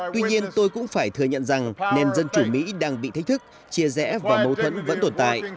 tuy nhiên tôi cũng phải thừa nhận rằng nền dân chủ mỹ đang bị thách thức chia rẽ và mâu thuẫn vẫn tồn tại